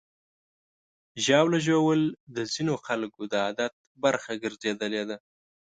ژاوله ژوول د ځینو خلکو د عادت برخه ګرځېدلې ده.